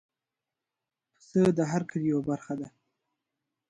پسه د هر کلي یو برخه ده.